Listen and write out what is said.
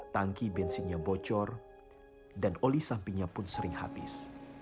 tangki bensinnya bocor dan oli sampingnya pun sering habis